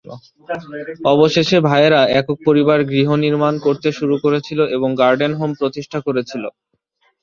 অবশেষে, ভাইয়েরা একক পরিবার গৃহ নির্মাণ করতে শুরু করেছিল এবং গার্ডেন হোম প্রতিষ্ঠা করেছিল।